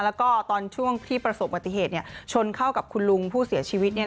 แล้วก็ตอนช่วงที่ประสบปฏิเหตุชนเข้ากับคุณลุงผู้เสียชีวิตเนี่ย